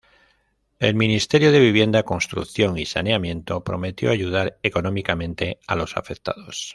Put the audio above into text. El ministerio de Vivienda, Construcción y Saneamiento prometió ayudar económicamente a los afectados.